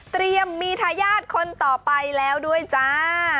เตรียมมีทายาทคนต่อไปแล้วด้วยจ้า